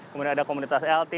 kemudian ada komunitas lt